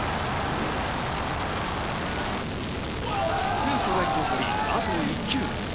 ２ストライクを取り、あと１球。